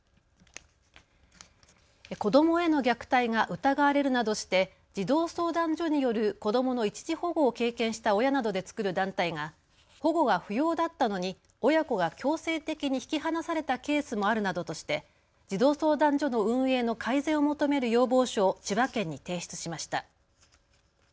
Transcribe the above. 子どもへの虐待が疑われるなどして児童相談所による子どもの一時保護を経験した親などで作る団体が保護は不要だったのに親子が強制的に引き離されたケースもあるなどとして児童相談所の運営の改善を求める要望書を千葉県に提出しました。